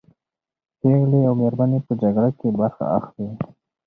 پېغلې او مېرمنې په جګړه کې برخه اخلي.